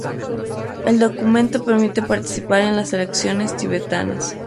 El documento permite participar en las elecciones tibetanas.